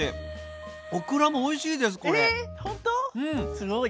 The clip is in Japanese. すごい。